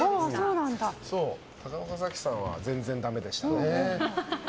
高岡早紀さんは全然だめでしたね。